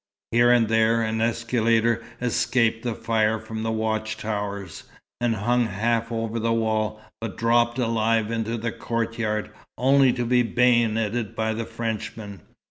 Here and there an escalader escaped the fire from the watch towers, and hung half over the wall, but dropped alive into the courtyard, only to be bayoneted by the Frenchman.